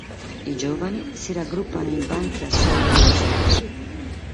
I giovani si raggruppano in banchi assai più estesi.